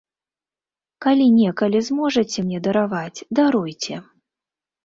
Калі некалі зможаце мне дараваць, даруйце.